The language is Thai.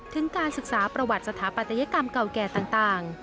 ถึงการศึกษาประวัติสถาปัตยกรรมเก่าแก่ต่าง